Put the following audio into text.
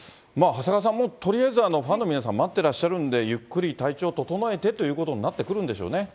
長谷川さん、とりあえずファンの皆さん待ってらっしゃるんで、ゆっくり体調を整えてってことになってくるんでしょうね。